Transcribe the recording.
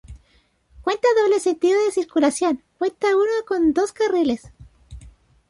Cuenta doble sentido de circulación, cada uno con dos carriles.